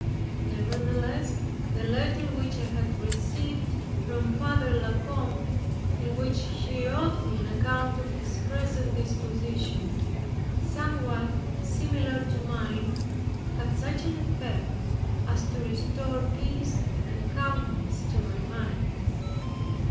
Nevertheless the letter which I had received from Father La Combe, in which he wrote me an account of his present disposition, somewhat similar to mine, had such an effect, as to restore peace and calmness to my mind.